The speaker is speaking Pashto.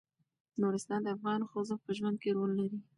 نورستان د افغان ښځو په ژوند کې رول لري.